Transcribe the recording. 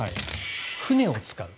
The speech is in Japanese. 船を使う。